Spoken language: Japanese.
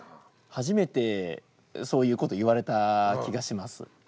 初めてそういうこと言われた気がします。